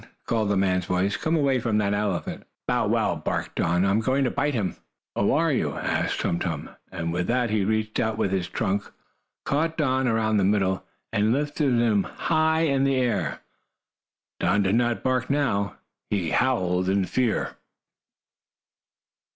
called a man's voice. "Come away from that elephant!" "Bow wow!" barked Don. "I am going to bite him!" "Oh, are you?" asked Tum Tum. And with that he reached out with his trunk, caught Don around the middle, and lifted him high in the air. Don did not bark now. He howled in fear.